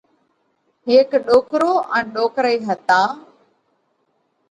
هيڪ ڏوڪرو ان ڏوڪرئِي هتا۔